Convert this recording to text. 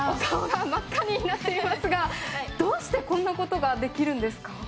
お顔が真っ赤になっていますが、どうしてこんなことができるんですか？